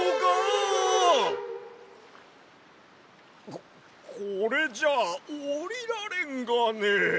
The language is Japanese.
ここれじゃおりられんがね。